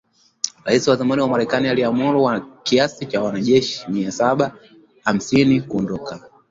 Rais wa zamani Marekani aliamuru kiasi cha wanajeshi mia saba hamsini kuondoka